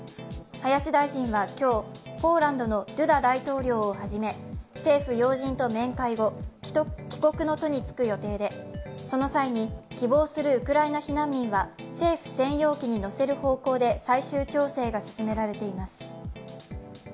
林大臣は今日、ポーランドのドゥダ大統領をはじめ政府要人と面会後、帰国の途に着く予定で、その際に、希望するウクライナ避難民は政府専用機に乗せる方向で最終調整が進められています。